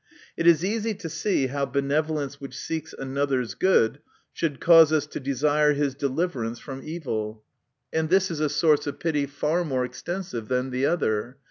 It is easy to see how benevolence, which seeks another's good, should cause us to desire his deliverance from evil. And this is a source of pity far more extensive than the other.